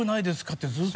てずっと。